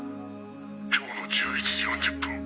「今日の１１時４０分